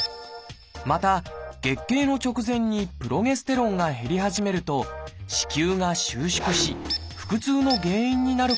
また月経の直前にプロゲステロンが減り始めると子宮が収縮し腹痛の原因になることもあります。